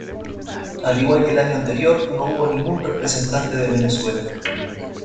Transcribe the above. Al igual que el año anterior, no hubo ningún representante de Venezuela.